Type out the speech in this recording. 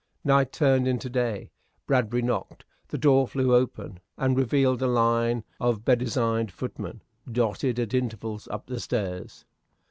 Night turned into day. Bradbury knocked. The door flew open, and revealed a line of bedezined footmen, dotted at intervals Up the stairs.